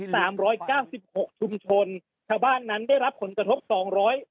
สามร้อยเก้าสิบหกชุมชนชาวบ้านนั้นได้รับผลกระทบสองร้อย